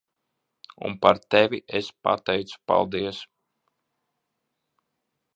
Un par tevi es pateicu paldies.